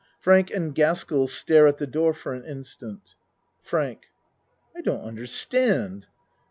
Frank and Gaskell stare at the door for an instant.) FRANK I don't understand.